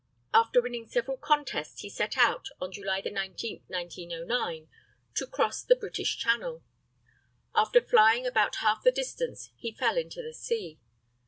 After winning several contests he set out, on July 19, 1909, to cross the British Channel. After flying about half the distance he fell into the sea.